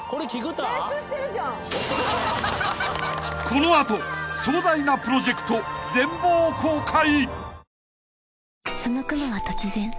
［この後壮大なプロジェクト全貌公開！］